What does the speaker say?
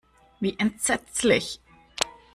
Wie entsetzlich!